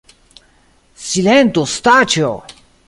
Silentu, Staĉjo!